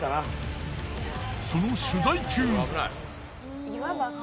その取材中。